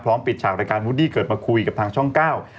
ปิดฉากรายการวูดดี้เกิดมาคุยกับทางช่องเก้า